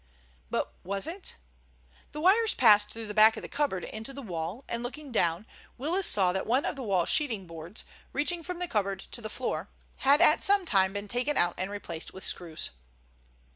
But was it? The wires passed through the back of the cupboard into the wall, and, looking down, Willis saw that one of the wall sheeting boards, reaching from the cupboard to the floor, had at some time been taken out and replaced with screws.